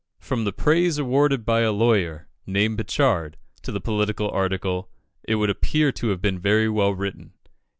From the praise awarded by a lawyer, named Pritchard, to the political article, it would appear to have been very well written.